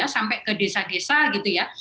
sampai ke desa desa